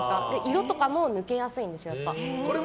色とかも抜けやすいんです。